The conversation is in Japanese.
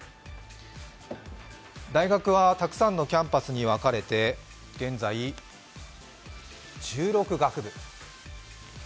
大学はたくさんのキャンパスに分かれて現在１６学部。